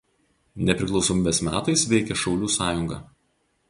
Nepriklausomybės metais veikė šaulių sąjunga.